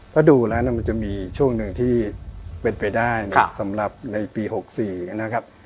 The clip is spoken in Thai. ถ้าดูแล้วมันจะมีช่วงหนึ่งที่เป็นไปได้นะครับสำหรับในปี๖๔นะครับ